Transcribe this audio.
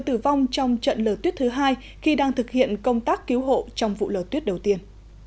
tử vong trong trận lở tuyết thứ hai khi đang thực hiện công tác cứu hộ trong vụ lở tuyết đầu tiên